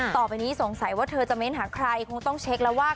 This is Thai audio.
ต่อไปนี้สงสัยว่าเธอจะเน้นหาใครคงต้องเช็คแล้วว่า